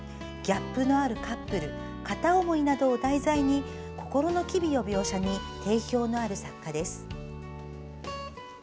ギャップのあるカップル片思いなどを題材に心の機微の描写に定評のある作家です。